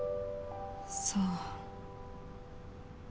そう。